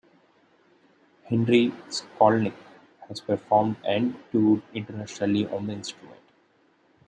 Henry Skolnick has performed and toured internationally on the instrument.